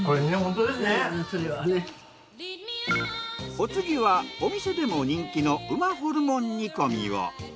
お次はお店でも人気の馬ホルモン煮こみを。